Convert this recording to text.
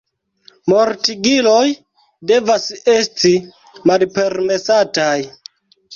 Mortigiloj devas esti malpermesataj.